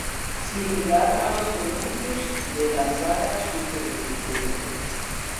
Similar a los preludios de la saga Super Nintendo.